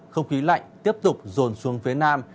không khí lạnh tiếp tục rồn xuống phía nam